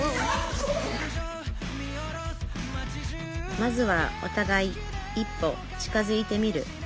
まずはおたがい一歩近づいてみる。